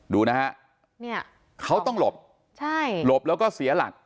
ดูนะครับเขาต้องหลบหลบแล้วก็เสียหลัก